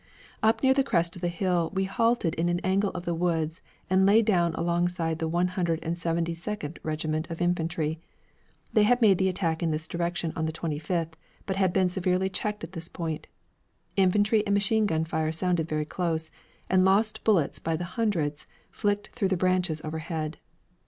Up near the crest of the hill we halted in an angle of the woods and lay down alongside the One Hundred and Seventy Second Regiment of infantry. They had made the attack in this direction on the 25th, but had been severely checked at this point. Infantry and machine gun fire sounded very close, and lost bullets by the hundreds flicked through the branches overhead.